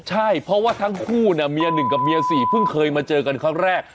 ใช่เพราะว่าทั้งคู่เนี่ยเมีย๑กับเมีย๔เพิ่งเคยมาเจอกันครั้งแรก